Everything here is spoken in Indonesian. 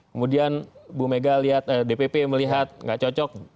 kemudian bu mega lihat dpp melihat nggak cocok